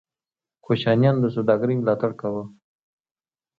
کوشانیانو د سوداګرۍ ملاتړ کاوه